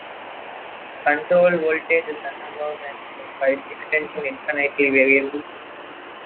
Control voltage is analog and by extension infinitely variable.